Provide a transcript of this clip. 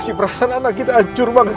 pasti perasaan anak kita ancur banget